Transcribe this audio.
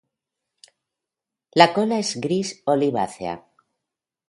La cola es gris olivácea.